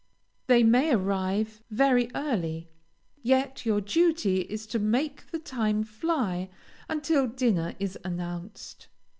They may arrive very early, yet your duty is to make the time fly until dinner is announced.